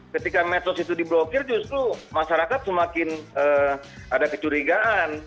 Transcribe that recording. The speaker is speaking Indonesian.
ketika medsos itu di blokir justru masyarakat semakin ada kecurigaan